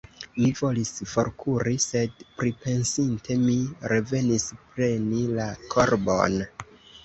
Mi volis forkuri, sed pripensinte mi revenis preni la korbon.